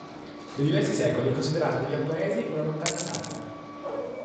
Da diversi secoli è considerato dai giapponesi una montagna sacra.